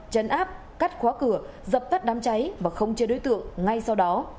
chấn áp cắt khóa cửa dập tắt đám cháy và không chê đối tượng ngay sau đó